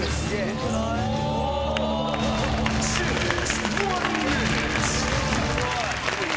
すごい。